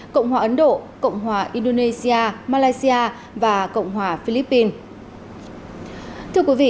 cộng hòa ấn độ cộng hòa indonesia malaysia và cộng hòa philippines